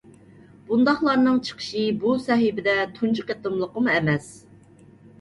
بۇنداقلارنىڭ چىقىشى بۇ سەھىپىدە تۇنجى قېتىملىقىمۇ ئەمەس.